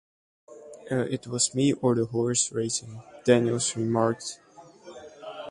"It was me or the horse racing," Daniels remarked.